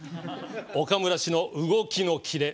岡村氏の動きのきれ